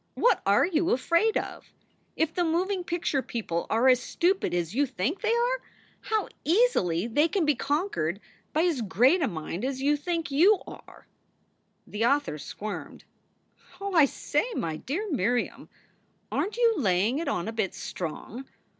What are you afraid of? If the moving picture people are as stupid as you think they are, how easily they can be conquered by as great a mind as you think you are." SOULS FOR SALE 71 The author squirmed. Oh, I say, my dear Miriam, aren t you laying it on a big strong?